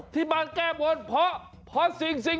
ที่มาแก้บนเพราะสิ่ง